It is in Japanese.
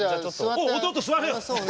おう義弟座れよ！